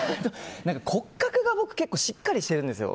骨格が僕結構しっかりしてるんですよ。